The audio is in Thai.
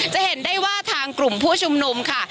จะเห็นได้ว่าทางกลุ่มผู้ชุมนุมค่ะ